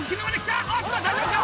あっと大丈夫か？